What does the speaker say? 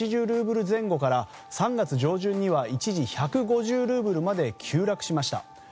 ルーブル前後から３月上旬には一時１５０ルーブルまで急落しました。